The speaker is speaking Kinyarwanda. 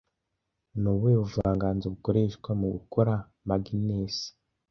Ni ubuhe buvanganzo bukoreshwa mu gukora magnesi